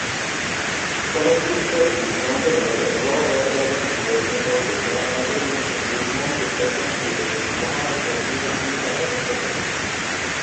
চলচ্চিত্রটি লন্ডনের র-এর এজেন্টদের সম্পর্কে যারা তাদের মধ্যে নির্মম গুপ্তচর দিয়ে মহামারীতে চীনের ভূমিকা তদন্ত করে।